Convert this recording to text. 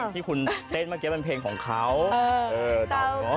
นี่คือขาลำเขาลำสวยมาก